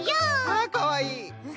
あかわいい。